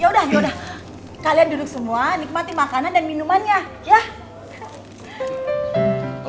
yaudah yaudah kalian duduk semua nikmati makanan dan minumannya yah